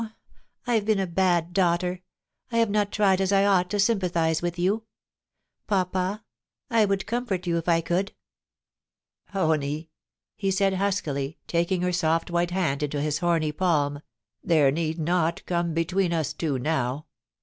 I have been a bad daughter ; I have not tried as I ought to sympathise with you. ... Papa, I would comfort you if I could.' * Honie,' he said huskily, taking her soft white hand into his homy palm, * there need nought come betw^een us two now.